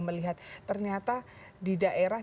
melihat ternyata di daerah